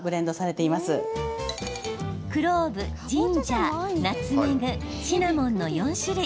クローブ、ジンジャーナツメグ、シナモンの４種類。